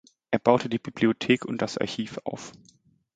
Er baute die Bibliothek und das Archiv auf.